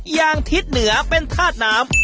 อย่างฮิตเหนือเป็นทาสน้ำ